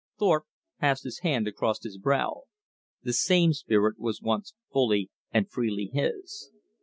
Thorpe passed his hand across his brow. The same spirit was once fully and freely his.